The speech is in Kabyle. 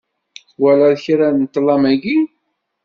Twalaḍ kra deg ṭlam-agi?